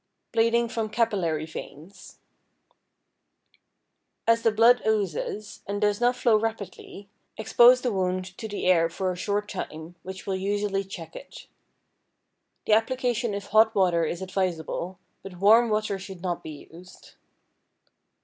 =Bleeding from Capillary Veins.= As the blood oozes, and does not flow rapidly, expose the wound to the air for a short time, which will usually check it. The application of hot water is advisable, but warm water should not be used.